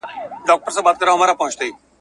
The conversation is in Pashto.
ویل ورکه یم په کورکي د رنګونو !.